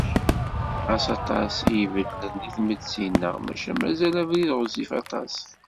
Ɣas aṭas i ibeddlen deg tmetti-nneɣ, maca mazal abrid ɣezzif aṭas.